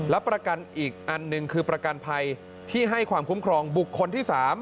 และประกันอีกอันหนึ่งคือประกันภัยที่ให้ความคุ้มครองบุคคลที่๓